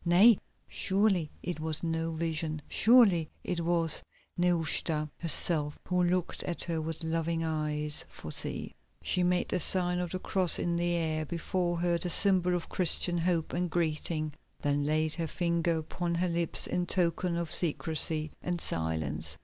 Nay, surely it was no vision, surely it was Nehushta herself who looked at her with loving eyes, for see! she made the sign of the cross in the air before her, the symbol of Christian hope and greeting, then laid her finger upon her lips in token of secrecy and silence.